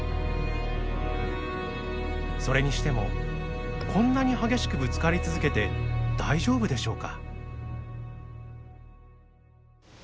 それにしてもこんなに激しくぶつかり続けて大丈夫でしょうか？